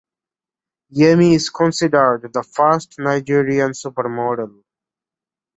Yemi is considered the first Nigerian supermodel.